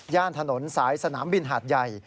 ถนนสายสนามบินหาดใหญ่